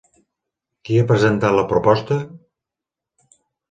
Qui ha presentat la proposta?